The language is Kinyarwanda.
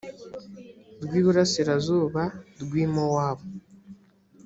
rw iburasirazuba rw i mowabu